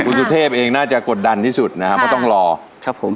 คุณสุเทพเองน่าจะกดดันที่สุดนะครับเพราะต้องรอครับผม